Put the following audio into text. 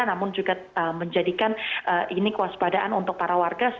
namun juga menjadikan ini kewaspadaan untuk para warga